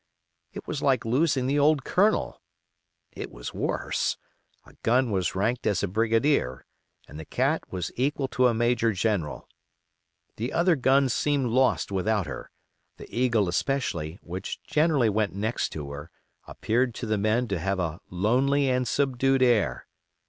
It was like losing the old Colonel; it was worse: a gun was ranked as a brigadier; and the Cat was equal to a major general. The other guns seemed lost without her; the Eagle especially, which generally went next to her, appeared to the men to have a lonely and subdued air.